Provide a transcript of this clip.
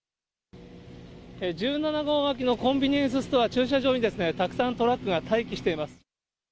１７号脇のコンビニエンスストア駐車場に、たくさんトラックが待機しています。